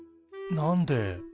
なんで？